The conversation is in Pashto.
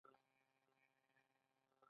اعتباري اشرافو به د بندیانو ساتنه کوله.